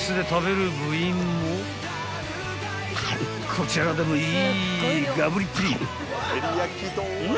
［こちらでもいいガブりっぷり］